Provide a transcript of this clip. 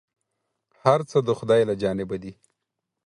هر څه د خداى له جانبه دي ،